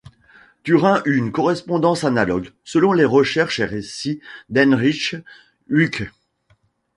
Turin eut une correspondance analogue, selon les recherches et récits d'Heinrich Wuttke.